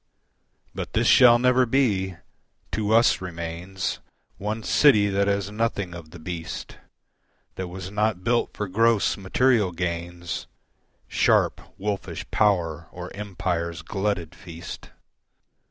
But this shall never be: to us remains One city that has nothing of the beast, That was not built for gross, material gains, Sharp, wolfish power or empire's glutted feast.